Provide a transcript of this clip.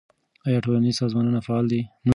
آیا ټولنیز سازمانونه فعال دي؟